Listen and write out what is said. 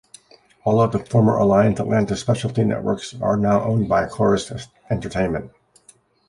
All of the former Alliance Atlantis specialty networks are now owned by Corus Entertainment.